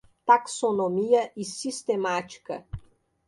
Taxonomia e sistemática